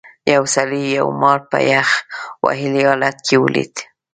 یو سړي یو مار په یخ وهلي حالت کې ولید.